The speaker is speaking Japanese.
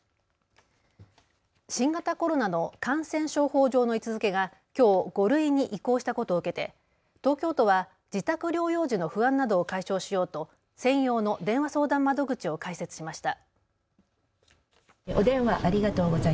新型コロナの感染症法上の位置づけがきょう５類に移行したことを受けて東京都は自宅療養時の不安などを解消しようと専用の電話相談窓口を開設しました。